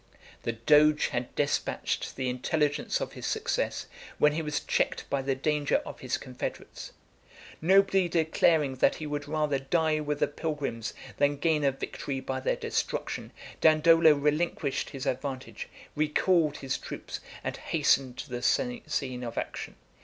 The doge had despatched the intelligence of his success, when he was checked by the danger of his confederates. Nobly declaring that he would rather die with the pilgrims than gain a victory by their destruction, Dandolo relinquished his advantage, recalled his troops, and hastened to the scene of action.